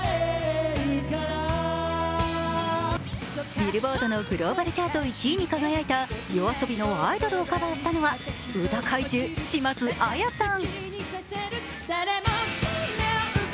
ビルボードのグローバルチャート１位に輝いたＹＯＡＳＯＢＩの「アイドル」をカバーしたのは歌怪獣、島津亜矢さん。